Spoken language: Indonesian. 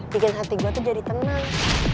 bikin hati gue tuh jadi tenang